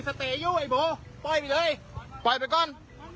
เฮ้ยปล่อยไปก่อน